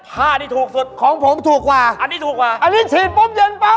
ผ้าที่ถูกสุดของผมถูกกว่าอันนี้ถูกกว่าอันนี้ฉีดปุ๊บเย็นปั๊บ